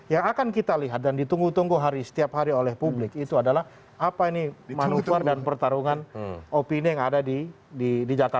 yang akan kita lihat dan ditunggu tunggu setiap hari oleh publik itu adalah apa ini manuver dan pertarungan opini yang ada di jakarta